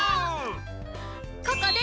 ここです！